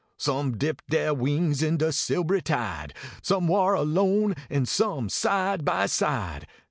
Some dipped dere wings in de silb ry tide Some war alone an some side by side.